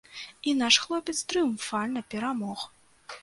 І наш хлопец трыумфальна перамог.